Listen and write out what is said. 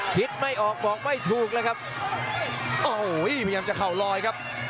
คิดไม่ออกบอกไม่ถูกเลยครับโอ้โหพยายามจะเข่าลอยครับ